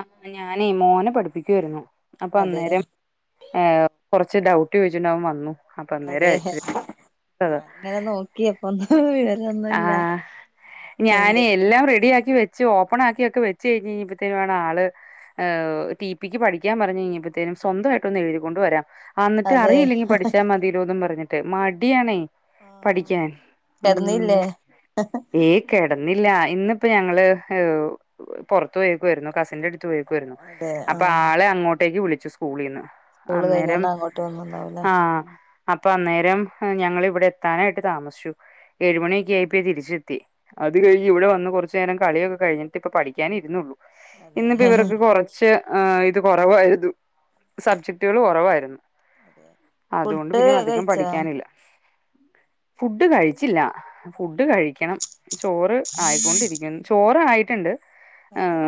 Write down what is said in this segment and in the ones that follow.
ആഹ് ഞാനീ മോനെ പഠിപ്പിക്കുവയിരുന്നു അപ്പൊ അതെ അന്നേരം ഏഹ് കൊറച്ച് ഡൗട്ട് ചോദിച്ചിട്ടുണ്ട അവൻ വന്നു അപ്പൊ അതെ അന്നേരച്ച ഞാനിങ്ങനെ നോക്കി എപ്പ ഒന്നും വിവരൊന്നുല്ല ആഹ് ഞാന് എന്ത് എല്ലാം റെഡി ആക്കി വ ച്ച് ഓപ്പണാക്കിക്കെ വെച്ച് കഴിഞ് പ്പത്തെയ്യ് ആള് ഏയ് ടി പിക്ക് പഠിക്കാൻ പറഞ്ഞു കഴിഞ്ഞപ്പോഴത്തേനും സ്വന്തയിട്ടോന്ന് എഴുതി കൊണ്ട് വരാം ആ ന്നിട്ട് അതെ അറിയില്ലെങ്കിൽ പഠിച്ചാ മതി തിയല്ലോ പറഞ്ഞിട്ട് മടിയാണേ പഠിക്കാൻ ഉ കെടന്നില്ലേ ഏയ് കെടന്നില്ല ഇന്നിപ്പോ ഞങ്ങള് ഏ പോറത്തു പോയക്കുമായിരുന്നു കസിന്റെ അടുത്ത് പോയക്കുവായിരുന്നു അതെ അപ്പൊ ആഹ് ആളെ അങ്ങോട്ടേക്ക് വിളിച്ചു സ്കൂളിന്ന് സ്കൂള് അന്നേരം കഴിഞ്ഞാണ്ട് അങ്ങോട്ട് വന്നുണ്ടാവൂലേ ആഹ അപ്പൊ അന്നേരം ഞങ്ങൾ വിടെ എത്താനായിട്ട് താമസിച്ചു ഏഴ്മണി ആയി തരിചെത്തി അത് കഴഞ് ഇവിടെ വന്ന് കൊറച്ചു നേരം കളിയൊക്കെ കഴിഞ്ഞിട്ട് പ്പ പഠിക്കാ ഇരുന്നുള്ളു അതെ ഇന്ന്പ്പോ ഇവർക്ക് കൊറ ച്ച് ആഹ് ഇത് കൊറവായിരുന്നു സബ്ജക്ടുകൾ കൊറവായിരുന്നു അതെ അതുകൊണ്ട് ഫുഡ് പിന്നെ അധികം കഴിച്ചോ പഠിക്കാനില്ല ഫുഡ് കഴിച്ചില്ലാ ഫുഡ് കഴിക്കണം ചോറ് ആയിക്കൊണ്ടിരിക്കുന്ന് ചോറ് ആയിട്ടൊണ്ട് അതെ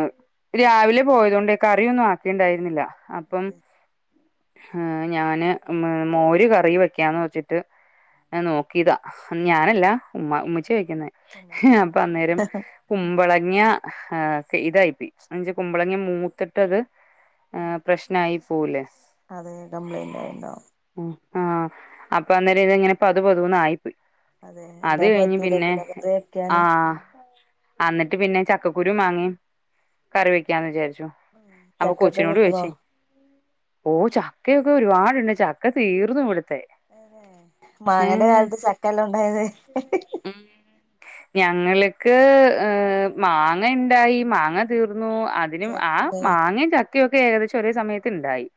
രാവിലെ പോയതോണ്ടെ കറിയൊന്നും ആക്കിണ്ടായിരുന്നില്ല അപ്പം അതെ ഹാ ഞാന് മ് മോര് കറി വെക്കാന്ന് വെച്ചിട്ട് ങ്ങനെ നോക്കീതാ ഞാനല്ലാ ഉമ്മ ഉമ്മിച്ചി വെക്കുന്നേ ഹാ ഉമ്മച്ചീനെ അപ്പൊ അന്നേരം കുമ്പളങ്ങാ ഇതായിപ്പോയി അയിച്ചാ കുമ്പളങ്ങ മൂത്തി- ട്ടത് പ്രശ്നായി പോവൂലേ അത് കംപ്ലൈൻ്റായിണ്ടാവും ആഹാ ആഹ് അപ്പൊ അന്നേരം ഇതെങ്ങെനെ പതു പതൂന്ന് ആയിപ്പോയ് അതെ അത് എന്നാ കഴിഞ്ഞ് പിന്നെ പറ്റൂലേക്കുലേ കറി വെക്കാന് ആഹ് അന്നിട്ട് പിന്നെ ചക്കക്കുരും മാങ്ങയും കറി വെക്കാന്ന് വിചാരിച്ചു അപ്പോ ചക്കൊക്കെ കൊച്ചിനോട് കിട്ടോ ചോയ്ച്ചേ ഓ ചക്കയൊക്കെ ഒരുപാടുണ്ട് ചക്ക തീർന്നു ഇവിടത്തെ അതെ മാങ്ങേന്റെ കാലത്ത് ചക്ക അല്ലേ ഉണ്ടായത് ഉം ഞങ്ങളിക്ക് ഏഹ മാങ്ങ ഇണ്ടായി മാങ്ങ തീർന്നു അ- അതിനും ആ ചക്കണ്ടായി മാങ്ങയും ചക്കെയൊക്കെ ഏകദേശം ഒരേ സമയത്ത് ഇണ്ടായി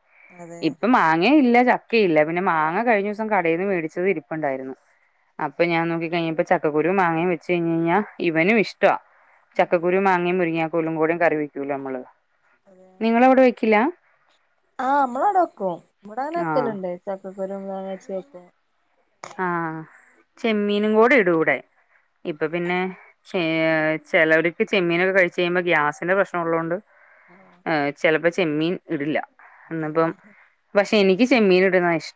അതെ ഇപ്പൊ മാങ്ങേയില്ലാ ച- ക്കെ ഇല്ല പിന്നെ മാങ്ങ കഴിഞ്ഞൂസം കടയിന്ന് മേടിച്ചത് ഇരിപ്പൊണ്ടായിരുന്നു അപ്പൊ ഞാൻ നോക്കിഴിഞ്ഞപ്പോ ചക്കക്കുരും മാങ്ങയും വെച്ചഴിഞ്ഞിഞ്ഞാ ഇവനും ഇഷ് ട്ട ചക്കക്കുരൂ മാങ്ങേ മുരിങ്ങാക്കോല്ലും കൂടെയും കറി വെക്കൂലോമ്മള് അതെ നിങ്ങളവിടെ വെക്കില്ലാ ആഹ് അമ്മളവടെ വെക്കും നമ്മടവങ്ങനെ വെക്കലുണ്ട് ചക്കക്കുരും മാങ്ങാച്ചയും വെക്കും ആഹ് ചെമ്മീനും കൂടെ ഇടൂവ്ടെ ഇപ്പൊ പിന്നെ ചെ ചെലവർക്ക് ചെമ്മീനൊക്കെ കഴിച്ച് കഴിയുമ്പോ ഗ്യാസിന്റെ പ്രശ്നോള്ളകൊണ്ട് ആഹ് ചെലപ്പോ ചെമ്മീൻ ഇടില്ലാ അതെ ഇന്നപ്പം പക്ഷെ എനിക്ക് ചെമ്മീൻ ഇടുന്നതാ ഇഷ്-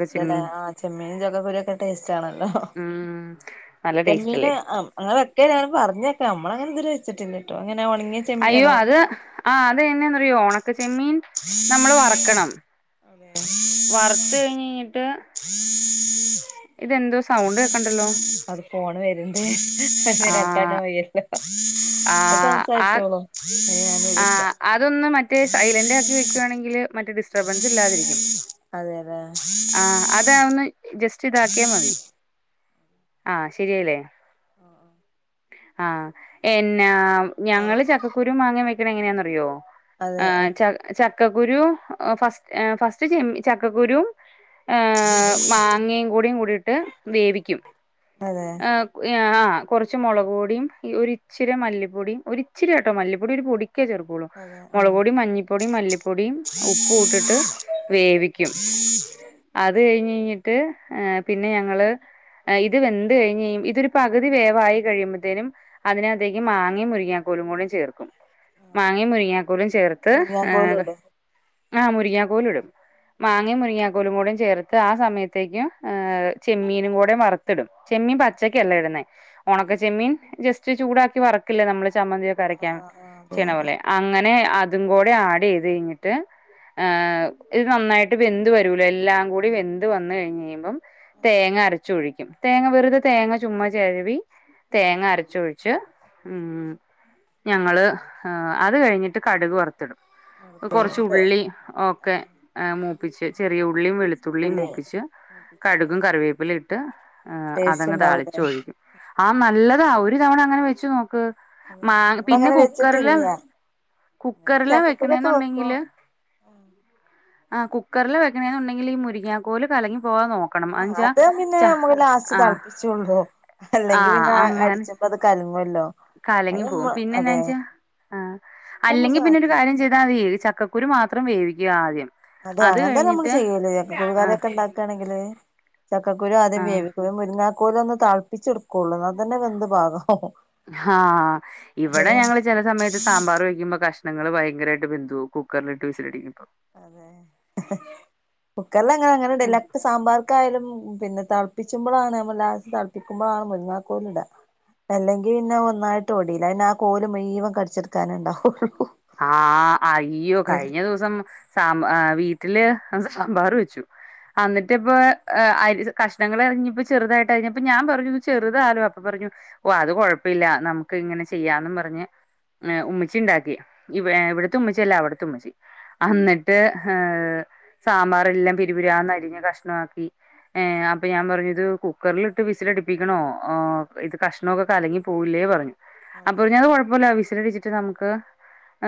ട്ടല്ലേ ആ ചെമ്മീന് ചക്കക്കുരുവൊക്കെ ടേസ്റ്റാണല്ലോ ഉം നല്ല ചെമ്മീന് ടേസ്റ്റല്ലേ ആം അങ്ങനെ വെക്കെയാണ് പറഞ്ഞേക്കാം നമ്മളങ്ങനെതു ച്ചിട്ടില്ലാട്ടോ അങ്ങനെ ഒണങ്ങിയ ചെ അയ്യോ അത് ആഹ് അതെങ്ങന്നെയാന്നറിയോ ഒണക്ക ചെമ്മീൻ നമ്മള് വറക്കണം അതെ വറുത്ത് കഴിഞ്ഞിഞ്ഞിട്ട് ഇതെന്തോ സൗണ്ട് കേക്കണ്ടല്ലോ അത് ഫോണ് വെരുണ്ട് അത് കട്ടാക്കാൻ ആഹ് വയ്യലോ അത് ആഹ് ആ സംസാരിച്ചോളു അത് ഞാനെടു- ആഹ് അതൊന്ന് മറ്റേ സൈലന്റാക്കി വെക്കുവാണെങ്കില് മറ്റേ ഡിസ്റ്റർബൻസ് ഇല്ലാതിരിക്കും അതെല്ലേ ആഹ് അത ഒന്ന് ജസ്റ്റിതാക്കിയാ മതി ആഹ് ശെരിയായില്ലേ ആഹ് ആഹ് എന്നാ ആഹ് വേറെ ഞങ്ങള് ചക്കക്കുരു മാങ്ങയും വയ്- ക്കണഇതിനെങ്ങനെയാന്നറിയോ അതെ ആഹ് അതെ ച- ചക്കക്കുരു ഫസ് ഫസ്റ്റ് ചെമ്മീ ചക്കക്കുരുവും ഏഹ് മാങ്ങയും കൂടേയും കൂടീട്ട് വേവിക്കും അതെ ആഹാ കു ആഹാ കൊറച്ച് മൊളക് പൊടിയും ഒരു ഇച്ചിരി മല്ലിപ്പൊടിയും ഒരി ഇച്ചിരി കേട്ടോ മല്ലിപ്പൊടി ഒരു പൊടി- ഒക്കെ ചേർക്കൂള്ളൂ അതെ ആഹ് മൊളക്പൊടിയും മഞ്ഞിപ്പൊടിയും മല്ലിപ്പൊടിയും ഉപ്പൂ ഇട്ടിട്ട് വേവിക്കും അത് കഴിഞ്ഞീഞ്ഞിട്ട് പിന്നെ ഞങ്ങൾ ഇത് വെന്ത് കഴിഞ്ഞെയും ഇതൊര് പകുതി വേവായി കഴിയിമ്പത്തെനും അതിൻ അകത്തെക്ക് മാങ്ങെം മുരിങ്ങാകോലും കൂടെ ചേർക്കും മാങ്ങെം മുരിങ്ങാക്കോലും ചേർത്ത് ഏഹ് മുരിങ്ങാക്കോലും അത് ഇടും ആഹ് മുരിങ്ങാക്കോൽ ഇടും മാങ്ങെം മുരിങ്ങാക്കോലും കൂടെ ചേർത്ത് ആ സമയത്തെക്കും ഏഹ് ചെമ്മീനും കൂടെ വറ്ത്ത് ഇടും. ചെമ്മീൻ പച്ചെക്ക് അല്ല ഇടുന്നെ ഒണക്ക ആഹ് ചെമ്മീൻ ജസ്റ്റ് ചൂടാക്കി വർ ക്കില്ലെ നമ്മെൾ ചമ്മന്തിയൊക്കെ ആഹ് അരയ്ക്കാൻ. ആഹ് അതെ ചെയ്യ്ണ അതെ പോലെ അങ്ങനെ അതും കൂടെ ആഡ് ചെയ്ത് കഴ്ഞ്ഞിട്ട്. ഏഹ് ഇത് നന്നായിട്ട് വെന്ത് വെരുലെ എല്ലാം കൂടി വെന്ത് വന്ന് കഴിഞ്ഞെഴിയ്മ്പം. അതെ തേങ്ങ അരച്ച് ഒഴിക്കും തേങ്ങ വെറുതെ തേങ്ങ ചുമ്മാ ചെരവി. തേങ്ങ അരച്ച് ഒഴിച്ച് ഉം ഞങ്ങൾ. ആഹ് അത് കഴിഞ്ഞിട്ട് കട്ക് വർത്ത് ഇടും എഹ് കൊറച്ച് ഉള്ളി ഒക്കെ. ഏഹ് മൂപ്പിച്ച് ചെറിയ ഉള്ളിയും വെള്ത്തുള്ളിയും ഉള്ളി മൂപ്പിച്ച്. കട്കും കറിവേപ്പിലിം ഇട്ട് ഏഹ് അത് ടേസ്റ്റ് അങ്ങ് താളിച്ച് ഉണ്ടാവൂലേ ഒഴിക്കും. ആഹ് നല്ലതാ ഒര് തവണ അങ്ങനെ വെച്ച് നോക്ക് അതെ മാങ്ങ പിന്നെ അങ്ങനെ കു ക്കെർൽ വെച്ചിട്ടില്ല ഇങ്ങനെ കുക്കെറിലാ ചക്കക്കുരൊക്കെ വെക്ക്ണെന്ന് ഉണ്ടെങ്കിൽ വെക്കും ആഹ് കുക്കെർൽ വെക്കണേന്നുണ്ടെങ്കിൽ ഈ മുരിങ്ങ കോല് കലങ്ങി പോവാതെ നോ ആഹ് അത് പിന്നെ നമ്മെക്ക് ലാസ്റ്റ് തളപ്പിച്ചൊള്ളു ആ അല്ലെങ്കി പിന്നെ അ അങ്ങനെ അട്ച്ചെ മ്പം അത് കൽങ്ങല്ലോ? കലങ്ങി പോവും പിന്നെ എന്നാ വെച്ചാ ആഹ് അത് നമ്മൾ അല്ലെങ്കി പിന്നെ ഒര് സാക്കിയ കാര്യം ചെയ്താ മതി ഇത് ചക്ക കുരു മാത്രം വേവിക്കാ ആദ്യം. അതെ അത് അങ്ങൻ തന്നെ നമ്മൾ കഴിഞ്ഞിട്ട് ചെയ്യൽ ചക്കകുരു കറിയൊക്കൊ ആഹ് ഇണ്ടാക്ക് ക്കാണെങ്കിൽ ചക്ക കുരു ആദ്യം ആഹ് വേവിക്കും ഇന്നെട്ട് മുരിങ്ങാ കോൽ ഒന്ന് തളപ്പിച്ച് ഇട്കൊള്ളു ഇന്നാ തന്നെ വെന്ത് പാകാകും. ആഹ് ഇവടെ ഞങ്ങൾ ചെല സമയത്ത് സാമ്പാർ വെക്കിമ്പം കഷ് ണങ്ങൾ ഭയങ്കരായിട്ട് വെന്തു പോവും കുക്കെർൽ ഇട്ട് വിസിൽ അടികുമ്പം. അതെ കുക്കെർൽ ഞങ്ങൾ അങ്ങനെ ഇടെൽ ഇല്ലാ ഒക്കെ സ് സാമ്പാർക്കായാലും പിന്നെ തൾപ്പിച്ചുമ്പളാണ് ഞമ്മൾ ലാസ്റ്റ് തൾപ്പിക്കുമ്പളാണ് മുരുങ്ങാ കോൽ ഇടാ. അല്ലെങ്കി പിന്നെ ഒന്നായിട്ട് ഒടിലെ പിന്നെ ആ കോല് മുഴ് വെൻ കട്ച്ച്ട്ക്കാനെ ഇണ്ടാവൊള്ളു ആഹ് അയ്യോ കഴിഞ്ഞ ദിവ്സം സാമ്പാ ഏഹ് വീട്ട്ൽ സാമ്പാർ വെച്ചു. ആഹ് ഇന്നട്ട് ഇപ്പം ഏഹ് അരി കഷ്ണങ്ങൾ അരിഞ്ഞപ്പം ചെറുതായിട്ട് അരിഞ്ഞ് അപ്പം ഞാൻ പറഞ്ഞു ഇത് ചെറുതാലോ അപ്പം പറഞ്ഞു ഓഹ് അത് കൊഴപ്പ ഇല്ല നമുക്ക് ഇങ്ങനെ ചെയ്യാന്നും പറഞ്ഞ് ഉമ്മിച്ചി ഇണ്ടാക്കി. ഇവെ ഇവ്ട്ത്തെ ഉമ്മച്ചി അല്ല അവ്ട്ത്തെ ഉമ്മച്ചി. അന്നിട്ട് ഏഹ് സാമ്പാറെല്ലാം പിരുപിരാന്ന് അരിഞ്ഞ് കഷ്ണവാക്കി. ഏഹ് അപ്പ ഞാൻ പറഞ്ഞു ഇത് കുക്കെർലിട്ട് വിസിൽ അടിപ്പിക്കണോ ഓഹ് ഇത് കഷ്ണവൊക്കെ കലങ്ങി പോവുല്ലെ പറഞ്ഞു. അപ്പൊ അതെ പറഞ്ഞ് അത് കൊഴപ്പവുല്ലാ വിസിൽ അടിച്ചിട്ട് നമുക്ക്.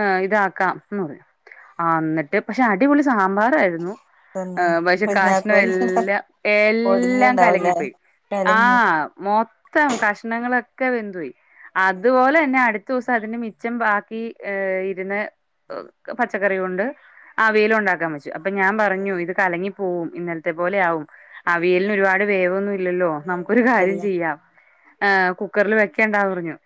ഏഹ് ഇതാക്കാം എന്ന് പറഞ്ഞു ആ ഇന്നെട്ട് പക്ഷെ അടിപൊളി സാമ്പാറായിരുന്നു. തന്നെ ഏഹ് പക്ഷെ കഷ്ണം മുരിങ്ങാക്കോല് എല്ലാം എല്ലാം ഒടിഞ്ഞുണ്ടാവൂലേ കലങ്ങിപ്പോയി. കലങ്ങി ആഹ് മോ ത്തം കഷ്ണങ്ങളൊക്കെ വെന്തു പോയി അതുപോലെന്നെ അടുത്തുസം അതിന്റെ മിച്ചം ബാക്കി. ഏഹ് ഇര്ന്ന് ഹ് പച്ചക്കറി കൊണ്ട് അവിയെലും ഉണ്ടാക്കാൻ വെച്ചു. ച്ചു അപ്പം ഞാൻ അതെ പറഞ്ഞു ഇത് കലങ്ങിപ്പോവും ഇന്നലത്തെ പോലെ ആവും. അതെ അവിയെൽന് ഒരുപാട് വേവൊന്നും ഇല്ലല്ലോ നമുക്കൊരു കാര്യം വേവേണ്ടല്ലോ ചെയ്യാം. ഏഹ് കുക്കെറിൽ വെക്കെണ്ടാ പറഞ്ഞു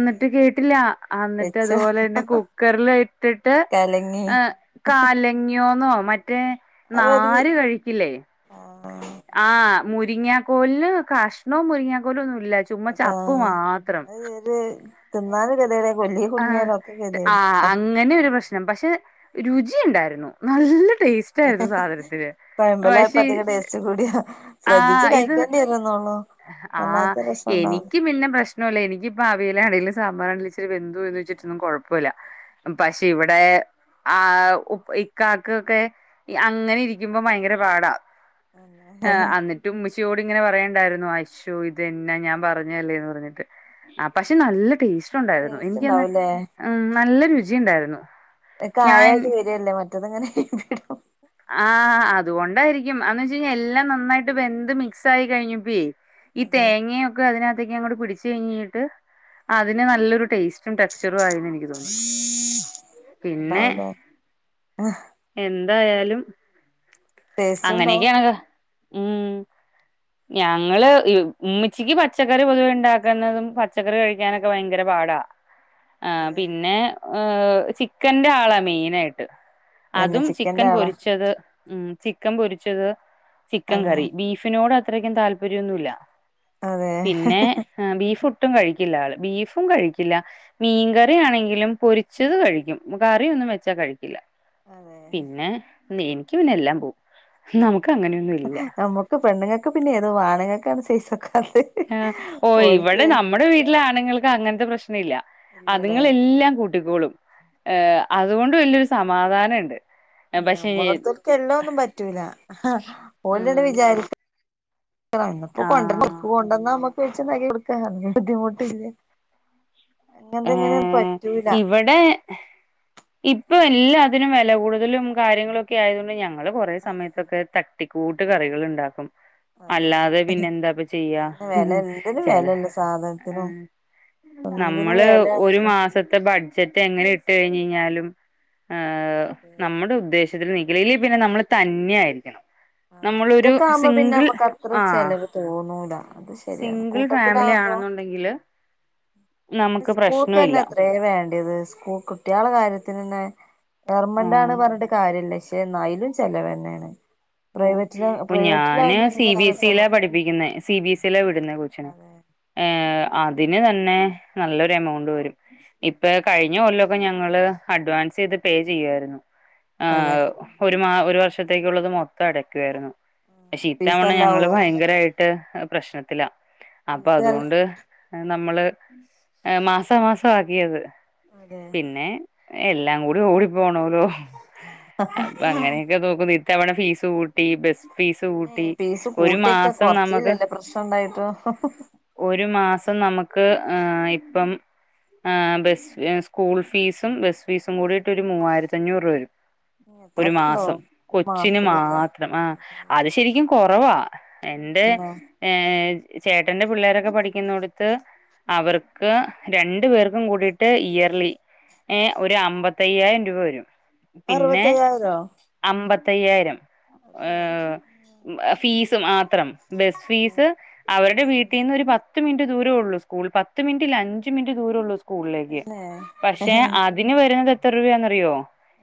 അതെ കേട്ടില്ലാ അന്നിട്ട് വെച്ച അതുപോലെയെന്നെ. കുക്കെർൽ അഹ് ഇട്ട്ട്ട്. കലങ്ങി എഹ് കലങ്ങിയോന്നോ മറ്റേ അപ്പൊ ഒരു നാര് കഴിക്കില്ലേ? ആഹ് ആഹ് മുരിങ്ങാക്കോല്ൽ കഷ്ണും മുരിങ്ങാക്കോലും ഒന്നും ഇല്ലാ ഇതുമ്മെ ചപ്പ് മാത്രം. ഇത് തിന്നാനും കെതിയെട് ആയി കൊല്ലി ആഹ് കുട്ങ്ങിയാലും ഒക്കെ കെതിയെട് ആഹ് എയ്ക്കാരം അങ്ങനെ ഒരു പ്രശ്നം പക്ഷെ രുചി ഉണ്ടായിരുന്നു നല്ല ടേസ്റ്റ്. ആയിരുന്നു സാധനത്തിന് കോയമ്പലായപ്പൊ പക്ഷേ അധികം ടേസ്റ്റ് കൂടിയ ശ്രദ്ധിച്ച് ആഹ് ഇത് കഴിക്കേണ്ടി വരുന്നൊളു. ആഹ് എനിക്ക് പിന്നെ പ്രശ്ന. പ്രശ്നല്ല എനിക്കിപ്പ അവിയലായലും സാമ്പാറായാലും ഇച്ചിരി വെന്ത് പോയി വെച്ചിട്ടൊന്നും കുഴപ്പല്ല. പക്ഷെ ഇവിടെ ആഹ് ഇക്കാക്കൊക്കെ അങ്ങനെ ഇരിക്കുമ്പോ ഭയങ്കര പാടാ ആഹ് തന്നെ എന്നിട്ട് ഉമ്മച്ചിയോട് ഇങ്ങനെ പറയണ്ടായിരു ന്നു അശൊ ഇതെന്ന ഞാൻ പറഞ്ഞല്ലേന്ന് പറഞ്ഞിട്ട് പക്ഷെ നല്ല ടേസ്റ്റ് ഉണ്ടായിരുന്നു ടേസ്റ്റ് എനിക്ക്ന്ന് ഉണ്ടാവൂലേ ഉം നല്ല രുചി ഉണ്ടായിരുന്നു ഞാൻ അല്ലേ മറ്റതെങ്ങനെ [unintelligible] ആഹ് അതുകൊണ്ടായിരിക്കും അന്ന് വെച്ച കഴിഞ്ഞാൽ എല്ലാം നന്നായിട്ട് വെന്ത് മിക്സ് ആയി കഴിഞ്ഞപ്പേ ഈ അതെ തേങ്ങയൊ ക്കെ അതിനാത്തേക്ക് അങ്ങോട്ട് പിടിച്ച കഴിഞ്ഞിട്ട് അതിന് നല്ലൊരു ടേസ്റ്റും ടെക്സ്ചറും ആയിരുന്നു എനിക്ക് തോന്നു പിന്നെ ആഹ് എന്തായാലും ടേസ്റ്റ് ഉണ്ടാവും അങ്ങനെയൊക്കെയണക്കെ ഉം ഞങ്ങള് ഉമ്മിച്ചിക്ക് പച്ചക്കറി പൊതുവെ ഉണ്ടാക്കുന്നതും പച്ചക്കറി കഴിക്കാനൊക്കെ ഭയങ്കര പാടാ ആഹ് അതെ പിന്നെ ഏഹ് ചിക്കന്റെ ആളാ മെയിന് ആയിട്ട് പിന്നെ അതും ചിക്കൻ ചിക്കന്റെ ആളാ പൊരിച്ചത് ഉം ചിക്കൻ പൊരിച്ചത് ചിക്കൻ അതെ കറി ബീഫിനോട് അത്രക്കും താല്പര്യമൊന്നുല്ല അതെ പിന്നെ ബീഫ് ഒട്ടും കഴിക്കില്ല ആള് ബീഫും കഴിക്കില്ല മീൻകറി ആണെങ്കിലും പൊരിച്ചത് കഴിക്കും കറിയ ഒന്നും വെച്ചാ കഴിക്കി ല്ല അതെ പിന്നെ എനിക്ക് പിന്നെ എല്ലാം പോവും നമുക്ക് അങ്ങനെയൊന്നും ഇല്ല നമ്മുക്ക് പെണ്ണുങ്ങൾക്ക് പിന്നെ ഏതും പോവ ആണുങ്ങൾക്കാണ് സെയ്സ് വക്കാത്തെ ആഹ് ഓ ഇവിടെ നമ്മുടെ വീട്ടിലെ ആണുങ്ങൾക്ക് അങ്ങനത്തെ പ്രശ്ന ഇല്ല ഇല്ലല്ലേ അതുങ്ങളെല്ലാം കൂ ട്ടികോളും അതുകൊണ്ട് വലിയൊരു സമാധാനണ്ട് നമ്മളെ അടുത്തൊക്കെ എല്ലാമൊന്നും പറ്റൂല ഓലണ്ട് ഉം വിചാരിക്ക കൊണ്ടന്ന് ആഹ് ഇപ്പൊ കൊണ്ടന്ന നമ്മക്ക് വെച്ച് ഉണ്ടാക്കി കൊടുക്ക ബുദ്ധിമുട്ടില്ല അങ്ങനന്തെങ്ങനെയൊന്നും ഏഹ് പറ്റൂല ഇവിടെ ഇപ്പ എല്ലാതിനും വില കൂടുതലും കാര്യങ്ങളൊക്കെ ആയത് കൊൊണ്ട് ഞങ്ങ ള് കൊറെ അതെ സമയത്തൊക്കെ തട്ടിക്കൂട്ട് കറികൾ ഉണ്ടാക്കും അതെ അല്ലാതെ പിന്നെന്താപ്പ ചെയ്യാ അതന്നെ വെല എന്തിനും ചില വെലല്ലേ സാധനത്തിനും എന്തിനും നമ്മള് ഒരു വെലയാണല്ലോ മാ സത്തെ ബഡ്ജറ്റ് എങ്ങനെ ഇട്ട് കഴിഞ്ഞഴിഞ്ഞാലും അതെ നമ്മുടെ ഉദ്ദേശ ത്തിന് നിക്കില്ല ഇല്ലെ പിന്നെ നമ്മള് തന്നെയ ആയിരിക്കണം ആഹ് നമ്മളൊരു ഒറ്റക്കാവുമ്പോ പിന്നെ സിംഗിൾ നമ്മക്ക് അത്ര ആഹ് ചെലവ് തോന്നൂല അത് ശരിയാണ് സിംഗിൾ ഫാമിലി കൂട്ടത്തിലാവുമ്പോ ആണെന്നുണ്ടെങ്കില് നമുക്ക് സ്കൂൾക്കെന്നെ പ്രശ്നവില്ല അത്രേ വേണ്ടത് സ്കൂൾ കുട്ടികള കാര്യത്തിനന്നെ ആഹ് ഗർമെന്റാണ് പറഞ്ഞിട്ട് കാര്യല്ല്യ പക്ഷെ ഇന്ന് അയിലും ചെലവെന്നെയാണ് ആഹ് ഇപ്പൊ ഞാന് സി ബിഎസ് ഇയില ചെലവ് പഠിപ്പിക്കുന്നെ സി ബിഎസ് ഇയില അതെ വിടുന്ന കൊച്ചിനെ അതെ ഏഹ് അതിന് തന്നെ നല്ലൊരു എമൗണ്ട് വരും ഇപ്പൊ കഴിഞ്ഞ കൊല്ല ഞങ്ങള് അഡ്വാൻസ് ചെയ്ത് പേ ചെയ്യുമായിരുന്നു അതെ ഒരു മാ ഒരു വർഷത്തേക്കുള്ളത് മൊത്തം അടക്കുവായിരുന്നു പക്ഷെ ഈ തവണ ഞങ്ങള് പീസല്ലാവോ ഭയങ്കരായി ട്ട് പ്രശ്നത്തില അപ്പൊ പീസ് അതുകൊണ്ട് നമ്മള് മാസ മാസമാക്കിയത് അതെ പിന്നെ എല്ലാം കൂടി ഓടി പോണോല്ലോ അപ്പൊ അങ്ങനെയൊക്കെ നോക്കുമ്പൊ ഈ തവണ ഫീസ് കൂട്ടി ബസ് ഫീസ് ഏ കൂട്ടി പീസ് ഒരു കൂട്ടിയൊക്കെ മാസം നമുക്ക് കൊറച്ചില്ലല്ലേ പ്രശ്നം ഉണ്ടായിട്ട് ഒരു മാസം നമുക്ക് ആഹ് ഇപ്പം ആഹ് ബസ് സ്കൂൾ ഫീസും ബസ് ഫീസും കൂടിയിട്ട് ഒരു മൂവായിരത്തി അഞ്ഞൂറ് രൂപ വരും ഒരു എത്രൊക്കെ ഉണ്ടോ മാസം ഒരു കൊച്ചിനു മാ മാസത്തിലല്ലേ ത്രം ആ അതെ അത് ശരിക്കും കുറവാ എൻ്റെ പിന്നെ ഏ ചേട്ടന്റെ പിള്ളേരൊക്കെ പഠിക്കുന്നടുത്ത് അവർക്ക് രണ്ടു പേർക്കും കൂടീട്ട് ഇയർലി ഏ ഒരു അമ്പത്തയ്യായിരം രൂപ വരും. പിന്നെ അറുപത്തയ്യായിരോ അമ്പത്തയ്യായിരം അതെ ഏഹ് ഫീസ് മാത്രം. ബസ് ഫീസ് അവരുടെ വീട്ടീന്ന് ഒര് പത്ത് പത്ത് മിൻറ്റ് ദൂരെയുള്ളൂ സ്കൂൾ. പത്ത് മിൻറ്റ്ല്ല അഞ്ച് മിൻറ്റ് ദൂരൊള്ളു സ്കൂളിലേക്ക് തന്നെ പക്ഷേ തിന് വെര്ണത് എത്ര രൂപ്യാന്നറിയോ?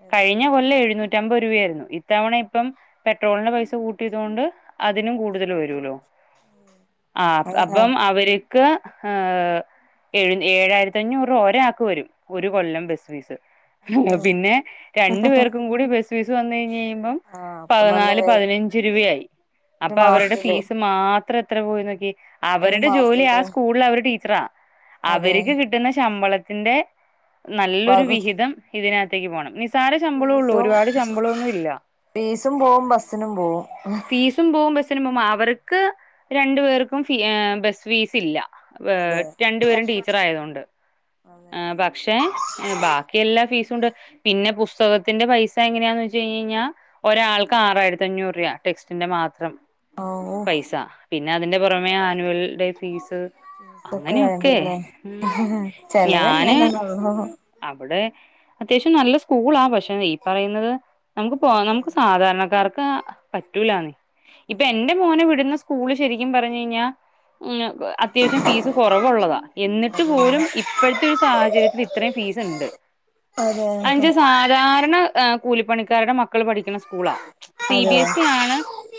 എത്ര കഴിഞ്ഞ കൊല്ലം എഴുന്നൂറ്റമ്പത് രൂപ്യായിര്ന്ന്. ഇത്തവണ പ്പം പെട്രോളിന് പൈസ കൂട്ടിയതോണ്ട് അതിനും കൂടുതൽ വരൂലോ? ആ അത അപ്പം അവര്ക്ക് ഏ എ ഏഴായിരത്തി അഞ്ഞൂറ് രൂപ ഒരാക്ക് വെരും. ഒരു കൊല്ലം ബസ് ഫീസ് പിന്നെ രണ്ടു പേർക്കും കൂടി ബസ് ഫീസ് വന്ന് കഴിഞ്ഞ് കഴിയുമ്പം ആ അപ്പൊ നല്ല പതിനാല് വേ പതിനഞ്ച് രൂപയായി. ഒരു അപ്പൊ അവരുടെ മാസത്തില് ഫീസ് മാത്ര എത്ര പോയി നോക്കി. ഒരു അവരുടെ ജോലി ആ മാസത്തില് സ്കൂളില് അവര് ടീച്ച്റാ അതെ അവര്ക്ക് ട്ട്ന്ന ശമ്പളത്തിന്റെ നല്ലൊരു പകുതി വിഹിതം ഇതിനകത്തേക്ക് പോവണം നിസ്സാര ശമ്പളൊള്ളൂ. ഫീസും ഒരുപാട് ശമ്പളൊന്നും ഇല്ല ഫീസും പോവും ബസ്സിനും പോവും സും പോവും ബസിനും പോവും അവർക്ക് രണ്ടു പേർക്കും ഫീ ഏ ബസ് ഫീസില്ല അതെ രണ്ടു പേരും ടീച്ചറായതോണ്ട് ആ അതെ പക്ഷെ ബാക്കി എല്ലാ ഫീസുണ്ട്. പിന്നെ പുസ്തകത്തിന്റെ പൈസ എങ്ങനെയാന്ന് വെച്ച് കഴിഞ് കഴിഞ്ഞാ ഒരാൾക്ക് ആറായിരത്തഞ്ഞൂറ് രൂപ ടെക്സ്റ്റിന്റെ മാത്രം. ഓ പൈസ പിന്നെ അതിന്റെ പുറമേ ആനുവൽ ഡേ ഫീസ് ഇതൊക്കെ അങ്ങനെയൊക്കെ വേണ്ടില്ലേ ഞാന് ചെലവന്നെല്ല നല്ലോണം അവിടെ അത്യാവശ്യം നല്ല സ്കൂളാ പക്ഷെ ഈ പറയുന്നത് നമുക്ക് പോ നമുക്ക് സാധാരണക്കാർക്ക് പറ്റൂലാന്നെ ഇപ്പൊ എന്റെ മോനെ വിടുന്ന സ് സ്കൂള് ശരിക്കും പറഞ്ഞ് കഴിഞ്ഞാ ത്യാവശ്യം ഫീസ് കൊറവൊള്ളതാ. എന്നിട്ട് പോലും ഇപ്പഴത്തെ ഒരു സാഹചര്യത്തിൽ ഇത്രേം ഫീസ്ണ്ട് അതെ അതെ ധാരണ കൂലിപ്പണിക്കാരുടെ മക്കള് പഠിക്ക്ണ സ്കൂളാ സി അതെ ബി എസ് ഇ ആണ്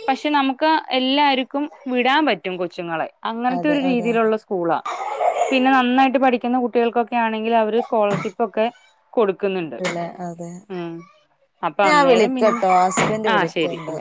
പക്ഷെ നമുക്ക് എല്ലാർക്കും വിടാൻ പറ്റും കൊച്ചുങ്ങളെ അങ്ങനത്തെ അതെ ഒരു അതെ രീതിയിലുള്ള സ് സ്കൂളാ. പിന്നെ നന്നായിട്ട് പഠിക്കുന്ന കുട്ടികൾക്കൊക്കെ ആണെങ്കില് അവര് സ്കോളർഷിപ്പൊക്കെ അതെ അപ്പൊ ഞാൻ അന്നേരം പിന്നെ വിളിക്കട്ടോ അസ് ബൻഡ് ആ ശരി വിളിക്കണ്ട് ഉം